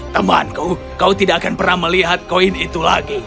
temanku kau tidak akan pernah melihat koin itu lagi